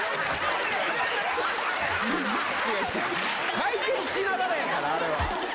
回転しながらやからあれは。